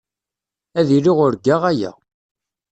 Ad iliɣ urgaɣ aya.